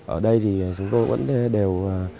ở đây thì chúng tôi vẫn đều